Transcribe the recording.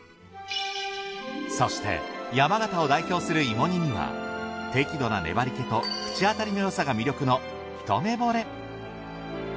そして山形を代表する芋煮には適度な粘り気と口当たりのよさが魅力のひとめぼれ。